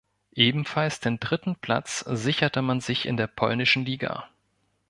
Ebenfalls den dritten Platz sicherte man sich in der polnischen Liga.